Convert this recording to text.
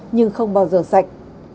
nhưng không bao giờ sạch